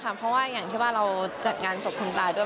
เพราะว่าอย่างที่ว่าเราจัดงานศพคุณตาด้วย